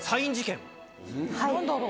何だろう？